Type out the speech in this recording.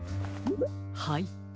はい。